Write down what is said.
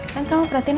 kan kamu perhatiin aku